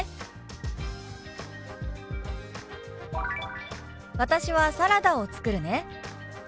「私はサラダを作るね」。